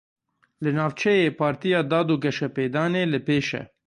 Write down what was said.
Li navçeyê Partiya Dad û Geşepêdanê li pêş e.